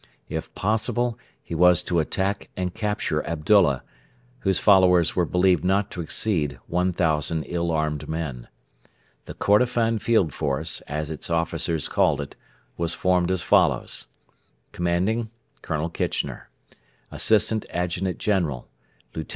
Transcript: If possible, he was to attack and capture Abdullah, whose followers were believed not to exceed 1,000 ill armed men. The 'Kordofan Field Force,' as its officers called it, was formed as follows: Commanding: COLONEL KITCHENER Assistant Adjutant General: LIEUT.